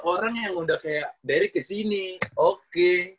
orang yang udah kayak dery kesini oke